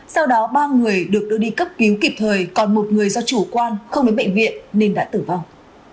sau đó ba người được đưa đi cấp cứu kịp thời còn một người do chủ quan không đến bệnh viện nên đã tử vong